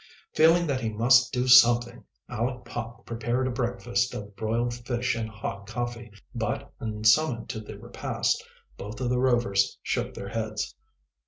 Feeling that he must do something, Aleck Pop prepared a breakfast of broiled fish and hot coffee, but, when summoned to the repast, both of the Rovers shook their heads.